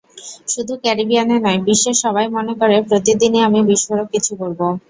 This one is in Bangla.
শুধু ক্যারিবিয়ানে নয়, বিশ্বের সবাই মনে করে প্রতিদিনই আমি বিস্ফোরক কিছু করব।